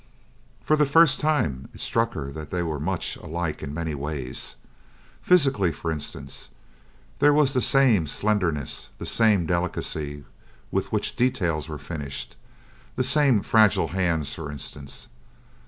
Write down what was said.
For the first time it struck her that they were much alike in many ways. Physically, for instance, there was the same slenderness, the same delicacy with which the details were finished; the same fragile hands, for instance.